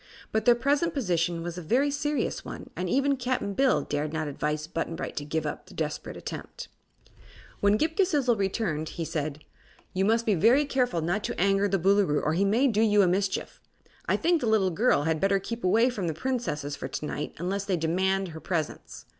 But their present position was a very serious one and even Cap'n Bill dared not advise Button Bright to give up the desperate attempt. When Ghip Ghisizzle returned he said: "You must be very careful not to anger the Boolooroo, or he may do you a mischief. I think the little girl had better keep away from the Princesses for to night, unless they demand her presence.